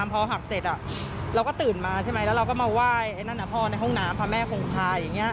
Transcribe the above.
แบบอย่างนี้ตามความฝันนะค่ะ